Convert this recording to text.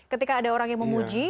ketika ada orang yang memuji